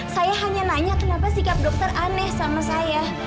saya hanya nanya kenapa sikap dokter aneh sama saya